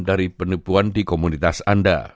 dari penipuan di komunitas anda